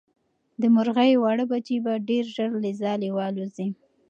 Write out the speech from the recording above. د مرغۍ واړه بچي به ډېر ژر له ځالې والوځي.